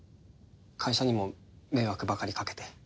会社にも迷惑ばかりかけて。